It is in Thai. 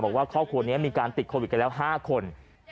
บอกว่าครอบครัวนี้มีการติดโควิดกันแล้ว๕คน